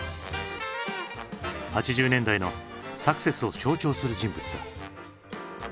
８０年代のサクセスを象徴する人物だ。